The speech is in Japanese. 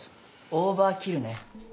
オーバーキル？